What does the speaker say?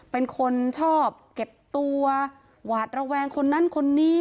เป็นคนชอบเก็บตัวหวาดระแวงคนนั้นคนนี้